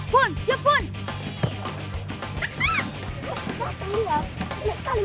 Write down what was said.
bun siap bun